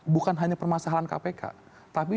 bukan hanya permasalahan kpk tapi